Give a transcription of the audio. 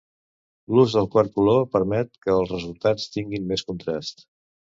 L'ús del quart color permet que el resultat tingui més contrast.